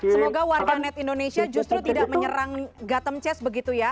semoga warga net indonesia justru tidak menyerang gathem chess begitu ya